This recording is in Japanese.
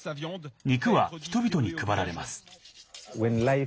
肉は人々に配られます。